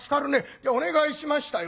じゃあお願いしましたよ」。